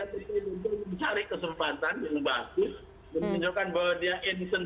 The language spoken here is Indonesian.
nah kalau fans kan gak perlu ditentukan